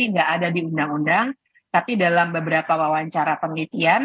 nggak ada di undang undang tapi dalam beberapa wawancara penelitian